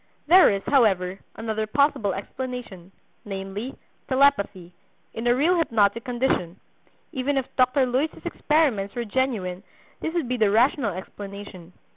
There is, however, another possible explanation, namely, telepathy, in a real hypnotic condition. Even if Dr. Luys's experiments were genuine this would be the rational explanation.